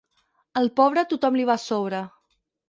Al pobre, tothom li va a sobre.